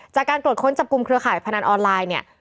จากการตรวจค้นจับกลุ่มเครือข่ายพนันออนไลน์เนี่ย